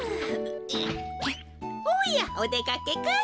おやっおでかけかい？